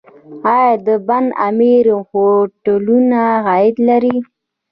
آیا د بند امیر هوټلونه عاید لري؟